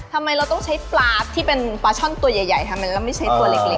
ทำไมเราต้องใช้ปลาที่เป็นปลาช่อนตัวใหญ่ทำไมเราไม่ใช้ตัวเล็ก